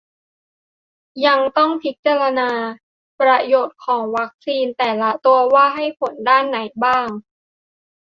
ยังต้องพิจารณาประโยชน์ของวัคซีนแต่ละตัวว่าให้ผลด้านไหนบ้าง